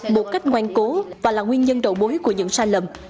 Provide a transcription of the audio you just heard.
một cách ngoan cố và là nguyên nhân đầu bối của những sai lầm